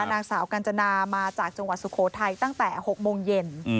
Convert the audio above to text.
นางสาวกัญจนามาจากจังหวัดสุโขทัยตั้งแต่๖โมงเย็น